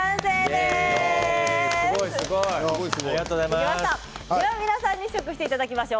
すごい、すごい！では皆さんに試食していただきましょう。